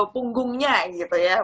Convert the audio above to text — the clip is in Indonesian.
punggungnya gitu ya